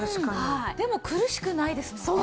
でも苦しくないですもんね。